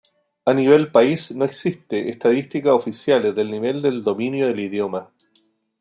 A nivel país no existen estadísticas oficiales del nivel de dominio del idioma.